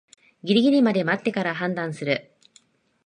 ギリギリまで待ってから判断する